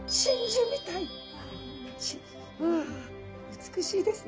美しいですね。